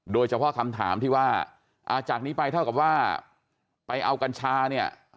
โดยเฉพาะคำถามที่ว่าจากนี้ไปเท่ากับว่าไปเอากัญชาเนี่ย